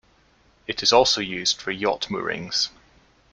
It is also used for yacht moorings.